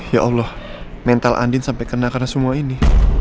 ya allah mental andin sampai kena karena semua ini